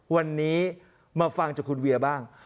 วันนี้มาฟังจากคุณเวียบ้าง